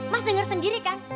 mas denger sendiri kan